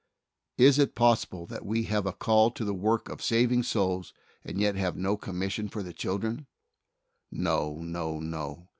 Is it possible that we have a call to the work of saving souls and yet have no com mission for the children? No, no, no!